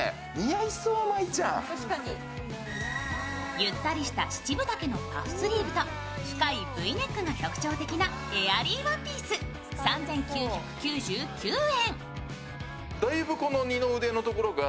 ゆったりした七分丈のパフスリーブと深いＶネックが特徴的なエアリーワンピース３９９９円。